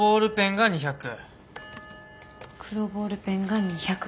黒ボールペンが２００。